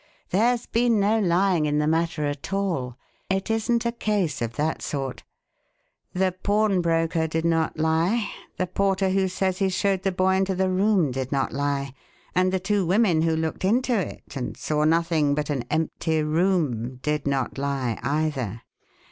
There's been no lying in the matter at all; it isn't a case of that sort. The pawnbroker did not lie; the porter who says he showed the boy into the room did not lie; and the two women who looked into it and saw nothing but an empty room did not lie either.